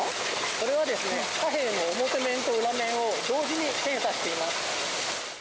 これはですね、貨幣の表面と裏面を同時に検査しています。